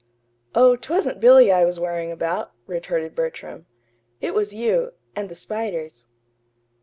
"Oh, 'twasn't Billy I was worrying about," retorted Bertram. "It was you and the spiders."